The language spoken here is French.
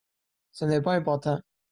Ce n'est pas important.